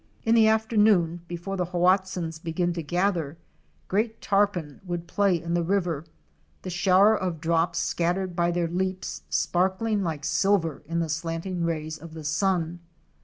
In the afternoon, before the Hoatzins began to gather, great tarpon would play in the river, the shower of drops scattered by their leaps sparkling like silver in the slanting rays of the sun.